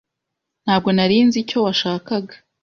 Ntabwo nari nzi icyo washakaga.